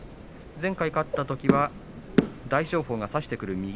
前回勝ったときは大翔鵬が差してくる右